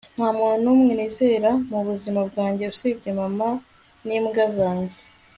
nta muntu n'umwe nizera mu buzima bwanjye usibye mama n'imbwa zanjye